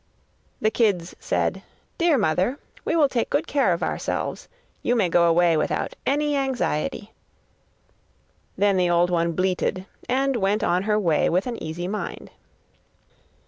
The kids said: 'Dear mother, we will take good care of ourselves; you may go away without any anxiety.' Then the old one bleated, and went on her way with an easy mind.